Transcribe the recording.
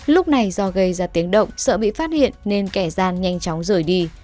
lúc này do gây ra tiếng động sợ bị phát hiện nên kẻ gian nhanh chóng rời đi